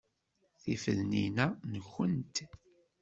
Tifednin-a nkent?